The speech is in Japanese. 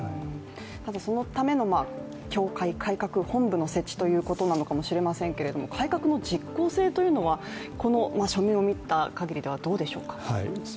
そのための教会改革本部の設置ということなのかもしれませんが、改革の実効性というのは、この書面を見たかぎりではどうでしょうか。